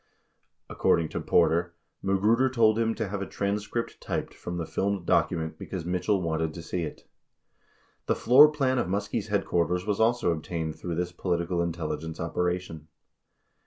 According to Porter, Magruder told him to have a transcript typed from the filmed document because Mitchell wanted to see it. 27 The floor plan of Muskie's headquarters was also obtained through this political intelligence operation.